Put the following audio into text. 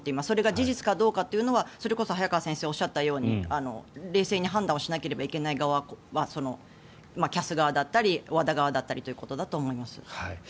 それが事実かどうかというのはそれこそ早川先生がおっしゃったように冷静に判断をしなければいけない側はＣＡＳ側だったりＷＡＤＡ側だったりということだと思います。